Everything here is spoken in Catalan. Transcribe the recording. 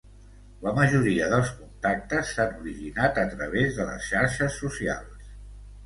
La majoria dels contactes s’han originat a través de les xarxes socials.